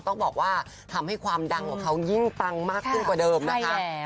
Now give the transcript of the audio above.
ต้องบอกว่าทำให้ความดังของเขายิ่งปังมากขึ้นกว่าเดิมนะคะ